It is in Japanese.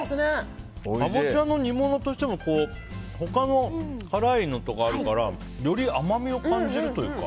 カボチャの煮物としても他の辛いのとかあるからより甘みを感じるというか。